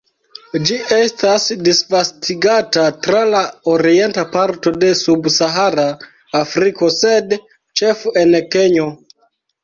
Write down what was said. Ĝi estas disvastigata tra la orienta parto de subsahara Afriko, sed ĉefe en Kenjo.